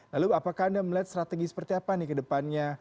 lalu apakah anda melihat strategi seperti apa nih ke depannya